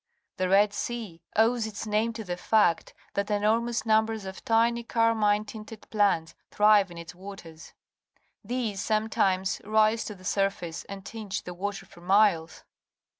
The Red Sea owes its name to the fact that enormous numbers of tiny, carmine tinted plants thrive in its waters. These some times rise to the surface and tinge the water for miles.